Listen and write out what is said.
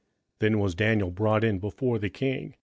27:005:013 Then was Daniel brought in before the king.